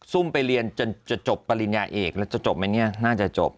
ุ่มไปเรียนจนจะจบปริญญาเอกแล้วจะจบไหมเนี่ยน่าจะจบ